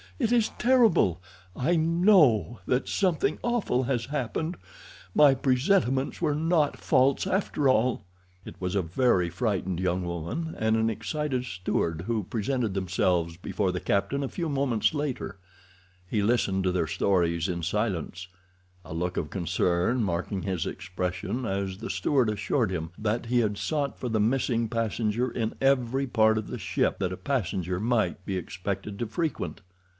It is terrible! I know that something awful has happened. My presentiments were not false, after all." It was a very frightened young woman and an excited steward who presented themselves before the captain a few moments later. He listened to their stories in silence—a look of concern marking his expression as the steward assured him that he had sought for the missing passenger in every part of the ship that a passenger might be expected to frequent.